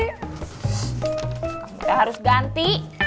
kamu kan harus ganti